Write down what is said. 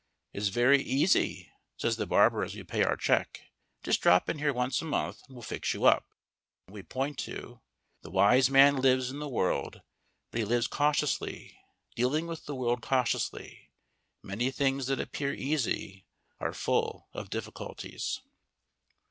_ "It's very easy," says the barber as we pay our check; "just drop in here once a month and we'll fix you up." And we point to: _The wise man lives in the world, but he lives cautiously, dealing with the world cautiously. Many things that appear easy are full of difficulties.